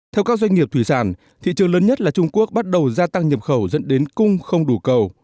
theo các doanh nghiệp thủy sản thị trường lớn nhất là trung quốc bắt đầu gia tăng nhập khẩu dẫn đến cung không đủ cầu